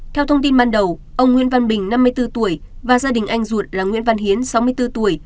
theo thông tin ban đầu ông nguyễn văn bình năm mươi bốn tuổi và gia đình anh ruột là nguyễn văn hiến sáu mươi bốn tuổi